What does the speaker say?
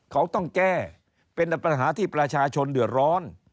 เขาต้องแก้เป็นปัญหาที่ประชาชนเดือดร้อน